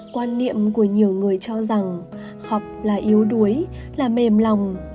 quan niệm của nhiều người cho rằng học là yếu đuối là mềm lòng